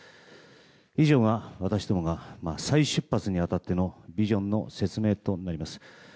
以上が私どもが再出発に当たってのビジョンの説明となります。